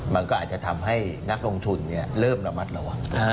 มันก็อาจจะทำให้นักลงทุนเริ่มระมัดระวัง